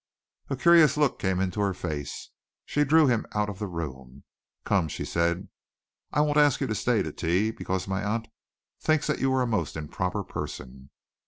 A curious look came into her face. She drew him out of the room. "Come," she said, "I won't ask you to stay to tea, because my aunt thinks that you are a most improper person.